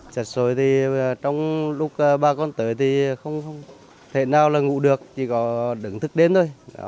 sạch rồi thì trong lúc ba con tới thì không thể nào là ngủ được chỉ có đứng thức đêm thôi